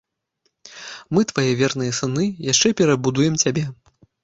Мы, твае верныя сыны, яшчэ перабудуем цябе!